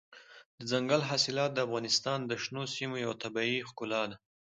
دځنګل حاصلات د افغانستان د شنو سیمو یوه طبیعي ښکلا ده.